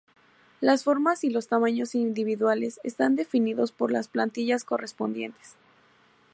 Las formas y los tamaños individuales están definidos por las plantillas correspondientes.